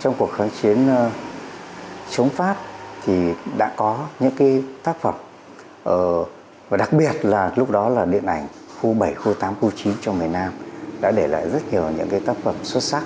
trong cuộc kháng chiến chống pháp đã có những tác phẩm đặc biệt là điện ảnh khu bảy khu tám khu chín trong miền nam đã để lại rất nhiều những tác phẩm xuất sắc